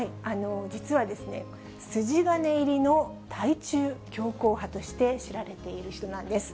実は筋金入りの対中強硬派として知られている人なんです。